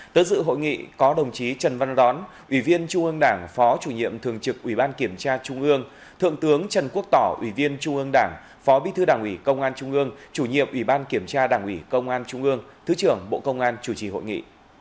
tới dự hội nghị có đồng chí trần văn đón ủy viên trung ương đảng phó chủ nhiệm thường trực ủy ban kiểm tra trung ương thượng tướng trần quốc tỏ ủy viên trung ương đảng phó bí thư đảng ủy công an trung ương chủ nhiệm ủy ban kiểm tra đảng ủy công an trung ương thứ trưởng bộ công an chủ trì hội nghị